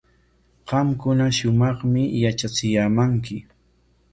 Qamkuna shumaqmi yatrachiyaamanki.